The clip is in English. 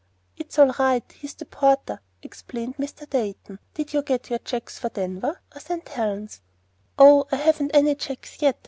"It's all right; he's the porter," explained Mr. Dayton. "Did you get your checks for Denver or St. Helen's?" "Oh, I haven't any checks yet.